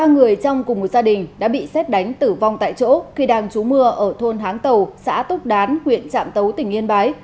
ba người trong cùng một gia đình đã bị xét đánh tử vong tại chỗ khi đang trú mưa ở thôn háng tàu xã túc đán huyện trạm tấu tỉnh yên bái